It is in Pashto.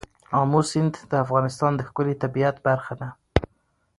آمو سیند د افغانستان د ښکلي طبیعت برخه ده.